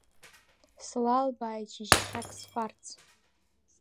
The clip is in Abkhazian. Слалбааит шьыжьхьак сфарц…